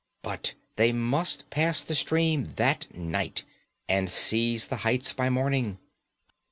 But they must pass the stream that night, and seize the heights by morning.